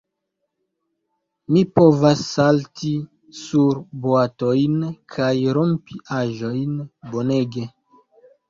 Mi povas salti sur boatojn, kaj rompi aĵojn. Bonege.